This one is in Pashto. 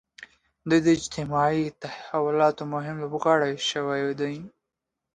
دوی د اجتماعي تحولاتو مهم لوبغاړي شوي دي.